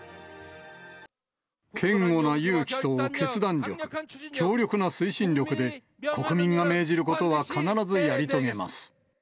堅固な勇気と決断力、強力な推進力で、国民が命じることは必ずやり遂げます。